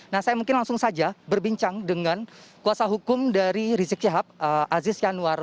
nah saya mungkin langsung saja berbincang dengan kuasa hukum dari rizik syihab aziz yanwar